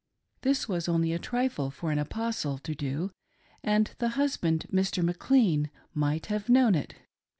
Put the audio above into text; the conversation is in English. This was only a trifle for an " Apostle " to do, and the husband — Mr. McLean — might have known it.